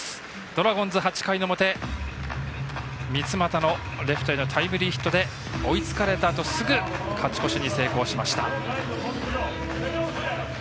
ドラゴンズ、８回の表、三ツ俣のレフトへのタイムリーヒットで追いつかれたあとすぐ勝ち越しに成功しました。